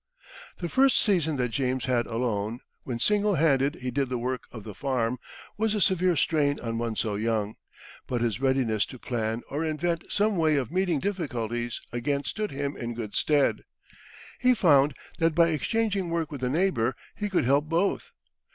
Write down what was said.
The first season that James had alone, when single handed he did the work of the farm, was a severe strain on one so young, but his readiness to plan or invent some way of meeting difficulties again stood him in good stead. He found that by exchanging work with a neighbour he could help both.